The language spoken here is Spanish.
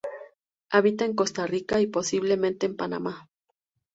Habita en Costa Rica y posiblemente en Panamá.